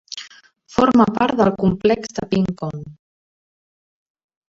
Forma part del complex de Pink Cone.